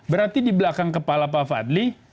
berarti di belakang kepala pak fadli